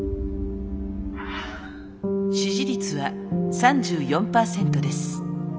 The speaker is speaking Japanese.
支持率は３４％です。